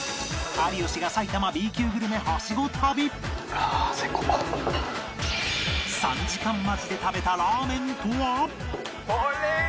有吉が埼玉 Ｂ 級グルメハシゴ旅３時間待ちで食べたラーメンとは？